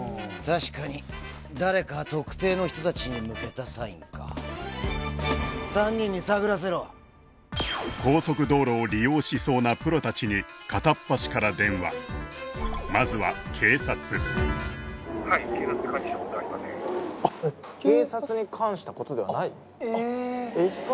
確かに誰か特定の人達に向けたサインか３人に探らせろ高速道路を利用しそうなプロ達に片っ端から電話まずは警察警察に関したことではないええっ